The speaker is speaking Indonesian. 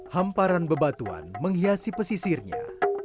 hamparan bebatuan menghiasi pesisirnya